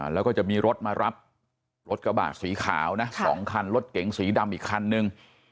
แล้วก็จะมีรถมารับรถกระบะสีขาวนะ๒คันรถเก๋งสีดำอีกคันนึง